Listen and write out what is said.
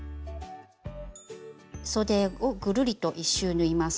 そでをぐるりと１周縫います。